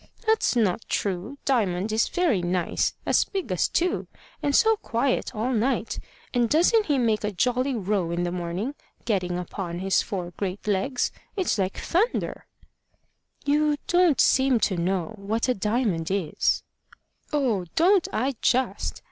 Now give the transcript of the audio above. "That's not true. Diamond is very nice as big as two and so quiet all night! And doesn't he make a jolly row in the morning, getting upon his four great legs! It's like thunder." "You don't seem to know what a diamond is." "Oh, don't I just!